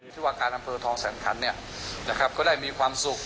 ที่วักการอำเภอทองแสนขันฯก็ได้มีความสุข